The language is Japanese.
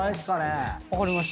分かりました。